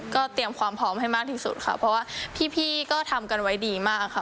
ก็เตรียมความพร้อมให้มากที่สุดค่ะเพราะว่าพี่ก็ทำกันไว้ดีมากค่ะ